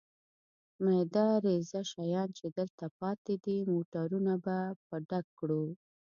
مېده رېزه شیان چې دلته پاتې دي، موټرونه به په ډک کړو.